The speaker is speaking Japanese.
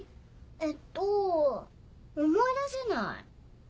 えっと思い出せない。